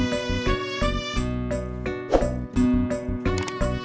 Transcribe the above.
tadi kan dari tengah jalan